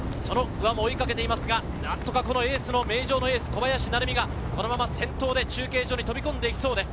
何とか名城のエース・小林成美がこのまま先頭で中継所に飛び込んでいきそうです。